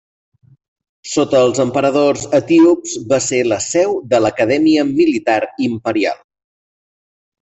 Sota els emperadors etíops va ser la seu de l'Acadèmia militar imperial.